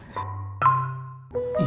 kita mau jalan lagi